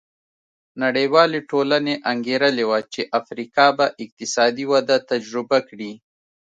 نړیوالې ټولنې انګېرلې وه چې افریقا به اقتصادي وده تجربه کړي.